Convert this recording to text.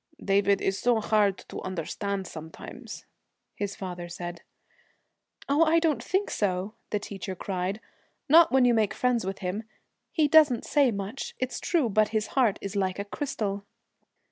'David is so hard to understand sometimes,' his father said. 'Oh, I don't think so!' the teacher cried. 'Not when you make friends with him. He doesn't say much, it's true, but his heart is like a crystal.'